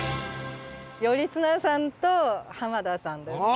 頼綱さんと濱田さんです。